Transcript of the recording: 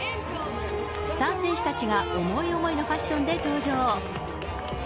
スター選手たちが思い思いのファッションで登場。